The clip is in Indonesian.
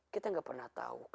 kita gak pernah tahu